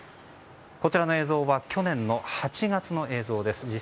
こちらの映像は去年の８月の映像です。